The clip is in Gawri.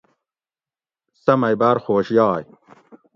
سہ مئ باۤر خوش یائ